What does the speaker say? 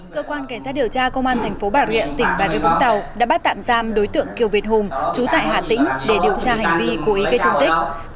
cơ quan cảnh sát điều tra công an thành phố bà rịa tỉnh bà rịa vũng tàu đã bắt tạm giam đối tượng kiều việt hùng chú tại hà tĩnh để điều tra hành vi cố ý gây thương tích